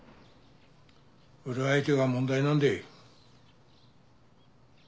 売る相手が問題なんでい。